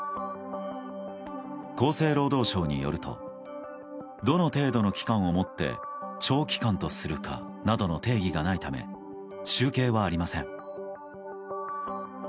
厚生労働省によるとどの程度の期間をもって長期間とするかなどの定義がないため集計はありません。